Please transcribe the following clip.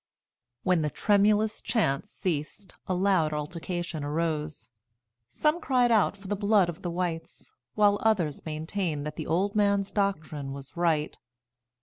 '" When the tremulous chant ceased, a loud altercation arose. Some cried out for the blood of the whites, while others maintained that the old man's doctrine was right.